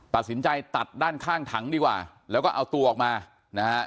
ตัดสินใจตัดด้านข้างถังดีกว่าแล้วก็เอาตัวออกมานะฮะ